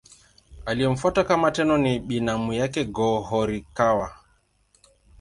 Aliyemfuata kama Tenno ni binamu yake Go-Horikawa.